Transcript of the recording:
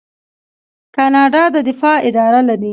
کاناډا د دفاع اداره لري.